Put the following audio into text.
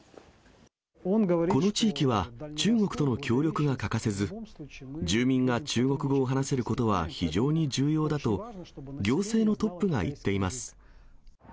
この地域は、中国との協力が欠かせず、住民が中国語を話せることは非常に重要だと、行政のトップが言っています。